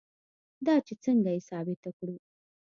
دا چې څنګه یې ثابته کړو.